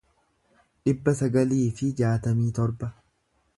dhibba sagalii fi jaatamii torba